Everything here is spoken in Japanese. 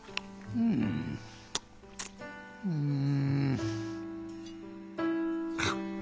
うんうん。